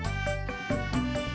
oh udah sudah